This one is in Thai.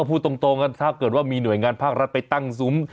พูดตรงกันถ้าเกิดว่ามีหน่วยงานภาครัฐไปตั้งซุ้ม